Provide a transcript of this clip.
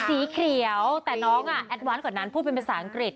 สีเขียวแต่น้องแอดวานกว่านั้นพูดเป็นภาษาอังกฤษ